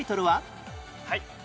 はい。